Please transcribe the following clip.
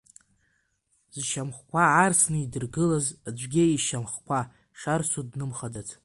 Зшьамхқәа арсны идыргылаз аӡәгьы ишьамхқәа шарсу днымхаӡац.